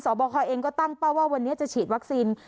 บคเองก็ตั้งเป้าว่าวันนี้จะฉีดวัคซีน